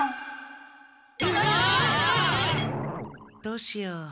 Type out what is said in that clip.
どうしよう？